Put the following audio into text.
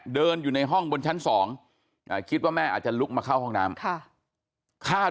เดินอยู่ในห้องบนชั้น๒คิดว่าแม่อาจจะลุกมาเข้าห้องน้ำคาด